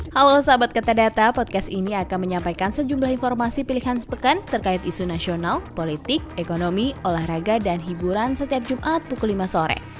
halo sahabat kata podcast ini akan menyampaikan sejumlah informasi pilihan sepekan terkait isu nasional politik ekonomi olahraga dan hiburan setiap jumat pukul lima sore